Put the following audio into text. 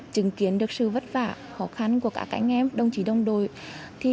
chứng kiến được sự vất vả khó khăn của các anh em đồng chí đồng đội